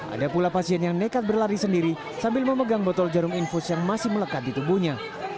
ada pula pasien yang nekat berlari sendiri sambil memegang botol jarum infus yang masih melekat di tubuhnya